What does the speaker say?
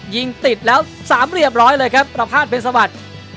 ยิงติดแล้ว๓เรียบร้อยเลยครับปราภาษณ์เป็นสวรรค์